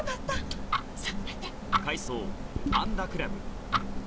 さあ入って。